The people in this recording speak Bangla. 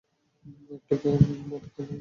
একটু মদ খেয়ে যাও।